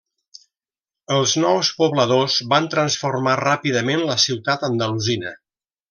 Els nous pobladors van transformar ràpidament la ciutat andalusina.